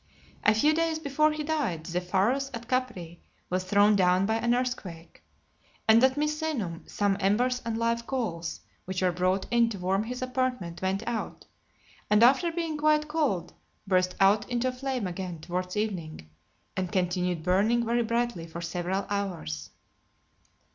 A few days before he died, the Pharos at Capri was thrown down by an earthquake. And at Misenum, some embers and live coals, which were brought in to warm his apartment, went out, and after being quite cold, burst out into a flame again towards evening, and continued burning very brightly for several hours.